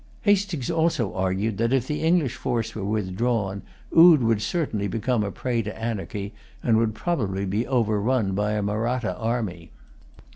Hastings also argued that, if the English force was withdrawn, Oude would certainly become a prey to anarchy, and would probably be overrun by a Mahratta army.